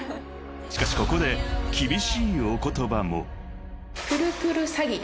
［しかしここで厳しいお言葉も］